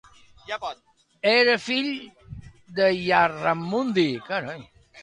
Era fill de Yarramundi.